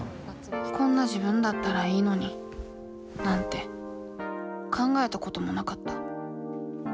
「こんな自分だったらいいのに」なんて考えたこともなかった。